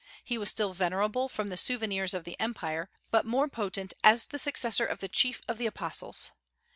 He was still venerable from the souvenirs of the Empire, but more potent as the successor of the chief of the apostles.